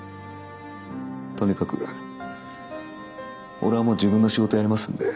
とにかく俺はもう自分の仕事をやりますんで。